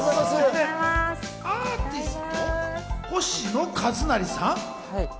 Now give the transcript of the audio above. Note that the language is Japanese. アーティスト・星野一成さん？